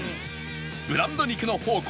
ブランド肉の宝庫